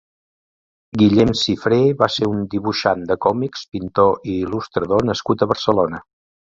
Guillem Cifré va ser un dibuixant de còmics, pintor i il·lustrador nascut a Barcelona.